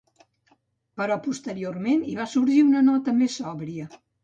Però, posteriorment, hi va sorgir una nota més sòbria.